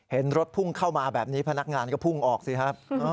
เห็นรถพุ่งเข้ามาแบบนี้พนักงานก็พุ่งออกสิครับ